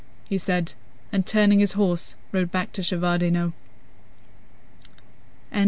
he said, and turning his horse rode back to Shevárdino.